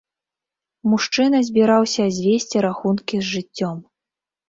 Мужчына збіраўся звесці рахункі з жыццём.